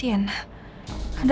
sekarang malah deket banget sama sienna